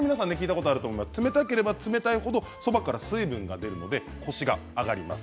冷たければ冷たい程そばから水分が出るのでコシが上がります。